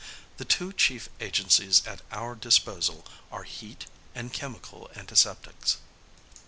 The two chief agencies at our disposal are heat and chemical antiseptics.